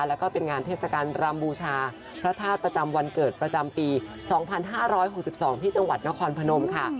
แล้วก็เป็นงานเทศกาลรำบูชาพระธาตุประจำวันเกิดประจำปี๒๕๖๒ที่จังหวัดนครพนมค่ะ